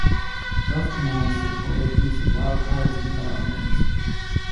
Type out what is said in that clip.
Most commands supported use of wildcards in file names.